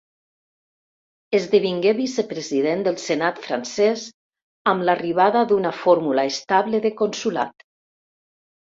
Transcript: Esdevingué vicepresident del Senat francès amb l'arribada d'una fórmula estable de Consolat.